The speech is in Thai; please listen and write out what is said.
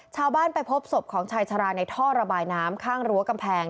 ชาวบ้านไปพบศพของชายชะลาในท่อระบายน้ำข้างรั้วกำแพง